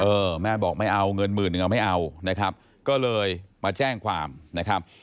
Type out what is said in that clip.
เออแม่บอกไม่เอาเงินหมื่นหนึ่งเอาไม่เอานะครับก็เลยมาแจ้งความนะครับ